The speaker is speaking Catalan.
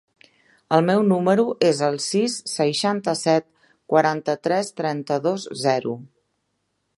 El meu número es el sis, seixanta-set, quaranta-tres, trenta-dos, zero.